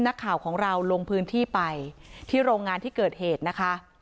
นักข่าวของเราลงพื้นที่ไปที่โรงงานที่เกิดเหตุนะคะ